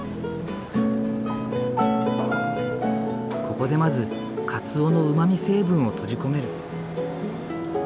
ここでまず鰹のうまみ成分を閉じ込める。